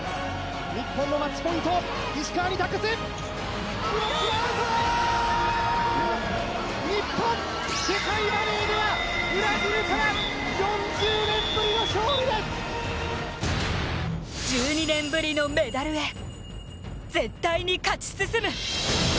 日本のマッチポイント、石川に託す１２年ぶりのメダルへ、絶対に勝ち進む。